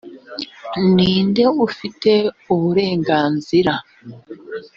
ni nde ufite uburenganzira